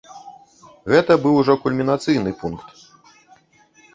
Гэта быў ужо кульмінацыйны пункт.